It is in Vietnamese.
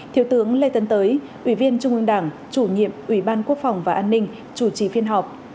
thiếu tướng lê tấn tới ủy viên trung ương đảng chủ nhiệm ủy ban quốc phòng và an ninh chủ trì phiên họp